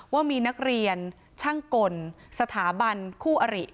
ว่ามีนักเรียนช่างกลสถาบันคู่อริ